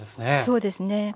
そうですね。